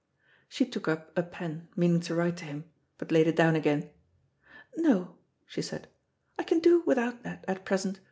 She took up a pen, meaning to write to him, but laid it down again. "No," she said, "I can do without that at present.